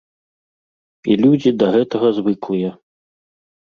І людзі да гэтага звыклыя.